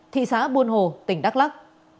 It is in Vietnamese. thị xã buôn hồ tỉnh đắk lắk